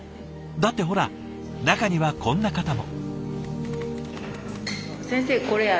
だってほら中にはこんな方も。